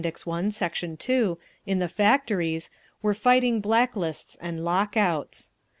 I, Sect. 2) in the factories were fighting black lists and lockouts.